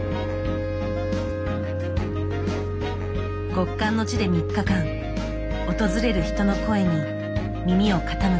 極寒の地で３日間訪れる人の声に耳を傾けた。